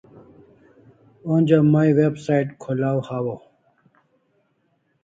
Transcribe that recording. Onja mai website kholaw hawaw